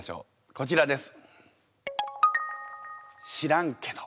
こちらです。